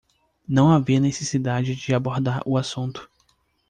Não havia necessidade de abordar o assunto.